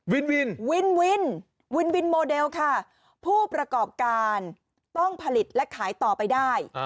วินวินวินวินวินวินโมเดลค่ะผู้ประกอบการต้องผลิตและขายต่อไปได้